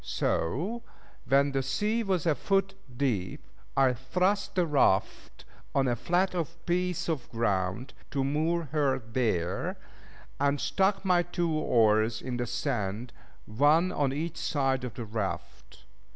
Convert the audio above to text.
So when the sea was a foot deep, I thrust the raft on a flat piece of ground, to moor her there, and stuck my two oars in the sand, one on each side of the raft.